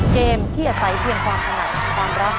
เกมที่อาศัยเพียงความถนัดความรัก